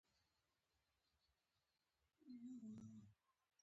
پاکستان د کرکټ له تاریخ سره پیاوړې اړیکه لري.